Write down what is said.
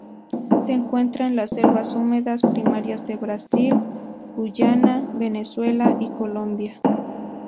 Se encuentra en las selvas húmedas primarias de Brasil, Guyana, Venezuela y Colombia.